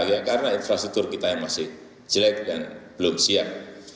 ya karena infrastruktur kita yang masih jelek dan belum siap